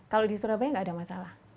kalau di surabaya tidak ada masalah